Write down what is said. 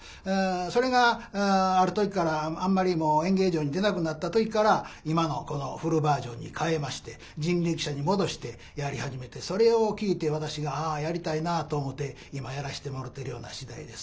それがある時からあんまりもう演芸場に出なくなった時から今のこのフルバージョンに変えまして人力車に戻してやり始めてそれを聴いて私が「ああやりたいなあ」と思て今やらしてもろうてるような次第です。